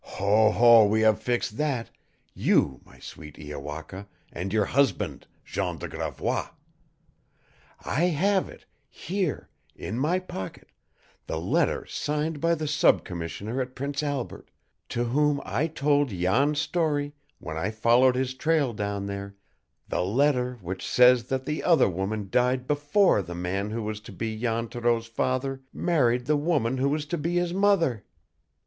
"Ho, ho, we have fixed that you, my sweet Iowaka, and your husband, Jean de Gravois. I have it here in my pocket the letter signed by the sub commissioner at Prince Albert, to whom I told Jan's story when I followed his trail down there the letter which says that the other woman died BEFORE the man who was to be Jan Thoreau's father married the woman who was to be his mother.